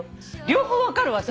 両方分かるわ。